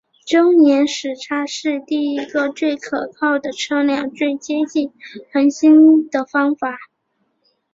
周年视差是第一个最可靠的测量最接近恒星的方法。